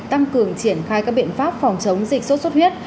tăng cường triển khai các biện pháp phòng chống dịch sốt xuất huyết